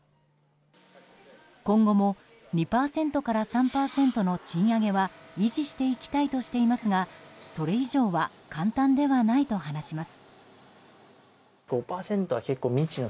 今後も２％から３％の賃上げは維持していきたいとしていますがそれ以上は簡単ではないと話します。